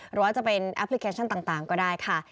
หรือว่าจะเป็นแอปพลิเคชันต่างก็ได้ค่ะ